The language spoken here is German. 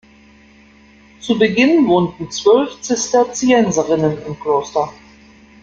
Zu Beginn wohnten zwölf Zisterzienserinnen im Kloster.